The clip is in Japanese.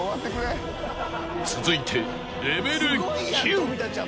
［続いてレベル９］